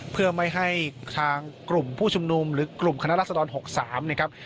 เพื่อไม่ให้ทางกลุ่มผู้ชุมนุมหรือกลุ่มคณะรัศดร๖๓นะครับ